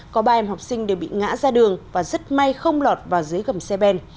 có ba em học sinh đều bị ngã ra đường và rất may không lọt vào dưới gầm xe ben